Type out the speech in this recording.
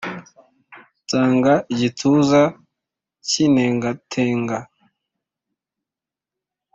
Nsanga igituza kintengatenga